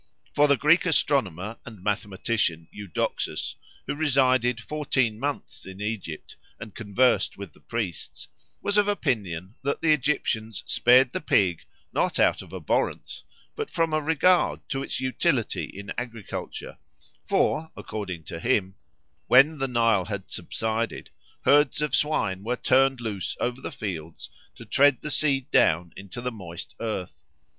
For the Greek astronomer and mathematician Eudoxus, who resided fourteen months in Egypt and conversed with the priests, was of opinion that the Egyptians spared the pig, not out of abhorrence, but from a regard to its utility in agriculture; for, according to him, when the Nile had subsided, herds of swine were turned loose over the fields to tread the seed down into the moist earth.